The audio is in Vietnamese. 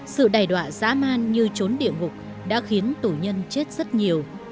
sự đẩy đoạ giá man như trốn địa ngục đã khiến tù nhân chết rất nhiều